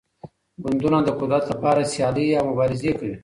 ګوندونه د قدرت لپاره سيالۍ او مبارزې کوي.